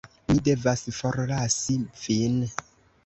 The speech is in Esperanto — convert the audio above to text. Mi devas forlasi vin.